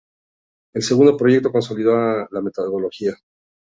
El segundo proyecto consolidó la metodología.